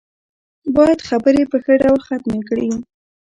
بايد خبرې په ښه ډول ختمې کړي.